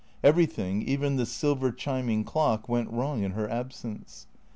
Everything, even the silver chiming clock, ■went wrong in her absence.